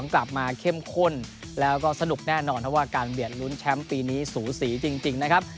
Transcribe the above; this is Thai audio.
กลับมาเข้มข้นแล้วก็สนุกแน่นอนเพราะว่าการเบียดลุ้นแชมป์ปีนี้สูสีจริงนะครับ